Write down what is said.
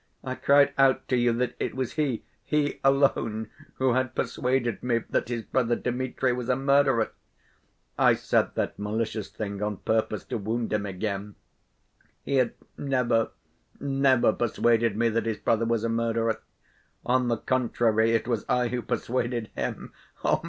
—I cried out to you that it was he, he alone who had persuaded me that his brother Dmitri was a murderer! I said that malicious thing on purpose to wound him again. He had never, never persuaded me that his brother was a murderer. On the contrary, it was I who persuaded him!